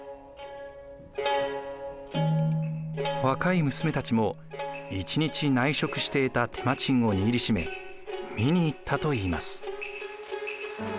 若い娘たちも一日内職して得た手間賃を握りしめ見に行ったといいます。